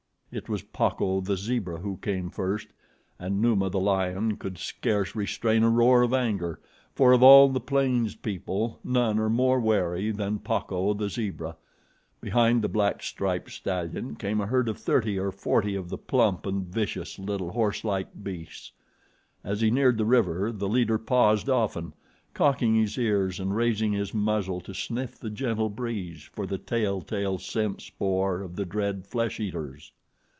It was Pacco, the zebra, who came first, and Numa, the lion, could scarce restrain a roar of anger, for of all the plains people, none are more wary than Pacco, the zebra. Behind the black striped stallion came a herd of thirty or forty of the plump and vicious little horselike beasts. As he neared the river, the leader paused often, cocking his ears and raising his muzzle to sniff the gentle breeze for the tell tale scent spoor of the dread flesh eaters.